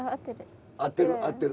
合ってる合ってる。